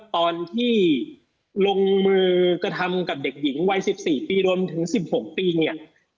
ตอนที่ลงมือกระทำกับเด็กหญิงวัย๑๔๑๖ปี